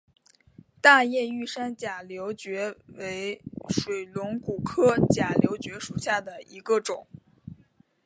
大叶玉山假瘤蕨为水龙骨科假瘤蕨属下的一个种。